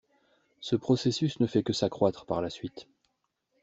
Ce processus ne fait que s'accroître par la suite.